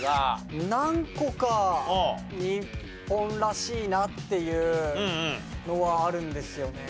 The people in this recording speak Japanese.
何個か日本らしいなっていうのはあるんですよね。